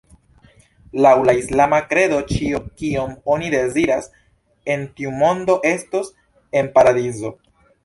Laŭ la islama kredo, ĉio kion oni deziras en tiu mondo estos en Paradizo.